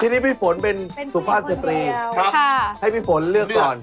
ที่นี่พี่ฝนเป็นสุภาษณ์สุดยอดให้พี่ฝนเลือกก่อน